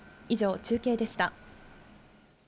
以上、中継でした。